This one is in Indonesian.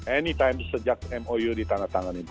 anytime sejak mou ditandatangan ini